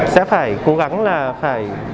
sẽ phải cố gắng là phải